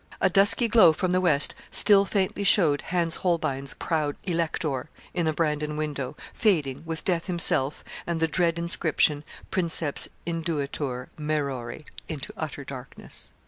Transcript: A dusky glow from the west still faintly showed Hans Holbein's proud 'Elector,' in the Brandon window, fading, with Death himself, and the dread inscription, 'Princeps induetur maerore,' into utter darkness.